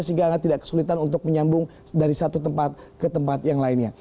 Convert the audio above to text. sehingga tidak kesulitan untuk menyambung dari satu tempat ke tempat yang lainnya